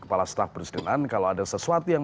kepala staf presidenan kalau ada sesuatu yang